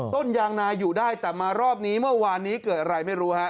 ต้นยางนาอยู่ได้แต่มารอบนี้เมื่อวานนี้เกิดอะไรไม่รู้ฮะ